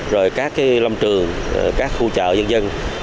rồi các lâm trường các khu chợ dân dân